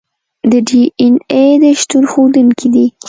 د ډي این اې د شتون ښودونکي دي.